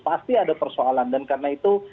pasti ada persoalan dan karena itu